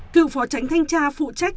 cựu phó tránh thanh tra phụ trách